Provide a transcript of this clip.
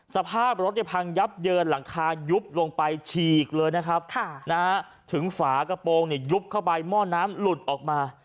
สภาพรถเนี่ยพังยับเยินหลังคายุบลงไปฉีกเลยนะครับถึงฝากระโปรงยุบเข้าไปหม้อน้ำหลุดออกมา